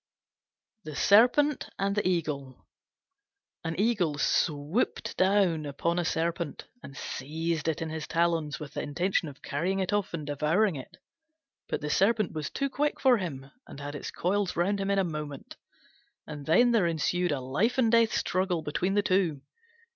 THE SERPENT AND THE EAGLE An Eagle swooped down upon a Serpent and seized it in his talons with the intention of carrying it off and devouring it. But the Serpent was too quick for him and had its coils round him in a moment; and then there ensued a life and death struggle between the two.